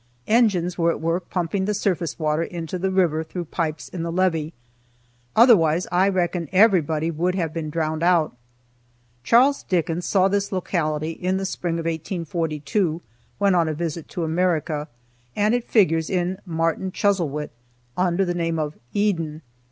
Engines were at work pumping the surface water into the river through pipes in the levee; otherwise I reckon everybody would have been drowned out. Charles Dickens saw this locality in the spring of 1842 when on a visit to America, and it figures in "Martin Chuzzlewit," under the name of "Eden."